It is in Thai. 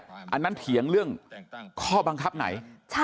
อันนั้นเถียงเรื่องข้อบังคับไหน